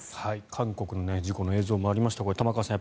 韓国の事故の映像もありました玉川さん